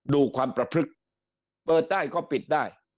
ดูความประพฤกษ์เปิดได้ก็ปิดได้